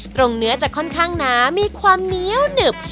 เนื้อจะค่อนข้างหนามีความเหนียวหนึบ